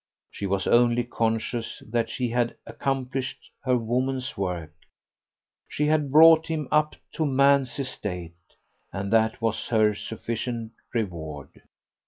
She was only conscious that she had accomplished her woman's work she had brought him up to man's estate; and that was her sufficient reward.